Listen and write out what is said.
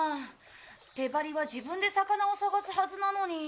手針は自分で魚を探すはずなのに。